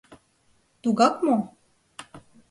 Тугак мо?